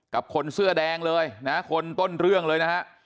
กับคนเสื้อแดงเลยนะคนต้นเรื่องเลยนะฮะ